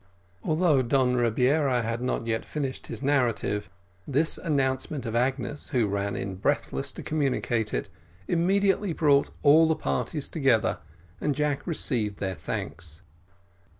Although Don Rebiera had not yet finished his narrative, this announcement of Agnes, who ran in breathless to communicate it, immediately brought all the parties together, and Jack received their thanks.